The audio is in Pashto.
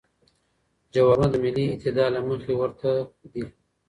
جوابونه د ملی اعتدال له مخې ورته دی.